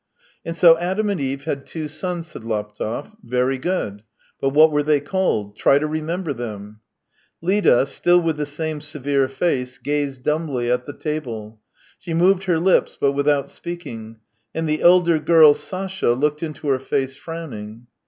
" And so Adam and Eve had two sons," said Laptev. " Very good. But what were they called ? Try to remember them !" Lida, still with the same severe face, gazed dumbly at the table. She moved her lips, but without speaking; and the elder girl, Sasha, looked into her face, frowning.